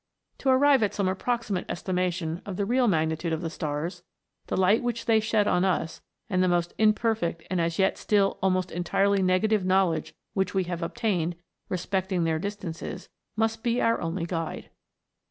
To arrive at some approximate estimation of the real magnitude of the stars, the light which they shed on us, and the most imperfect and as yet still almost entirely negative knowledge which we have obtained respecting their distances, must be our only guide.